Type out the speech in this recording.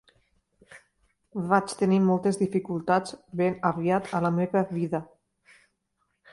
Vaig tenir moltes dificultats ben aviat a la meva vida.